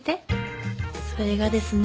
それがですね